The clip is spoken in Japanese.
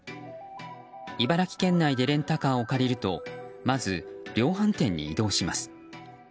茨城県内でレンタカーを借りるとまず量販店に移動します。